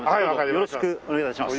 よろしくお願いします。